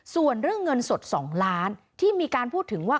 ส่วนเรื่องเงินสด๒ล้านที่มีการพูดถึงว่า